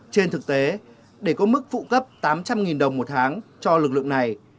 trên thực tế để có mức phụ cấp tám trăm linh đồng một tháng cho lực lượng này